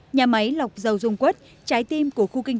nhà máy lọc dầu dung quất trái tim của khu kinh